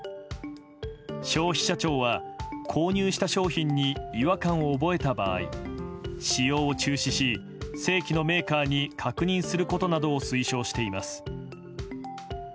消費者庁は購入した商品に違和感を覚えた場合使用を中止し、正規のメーカーに確認することなどを推奨しています。